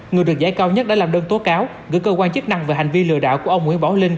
người được giải cao nhất đã làm đơn tố cáo gửi cơ quan chức năng về hành vi lừa đảo của ông nguyễn bảo linh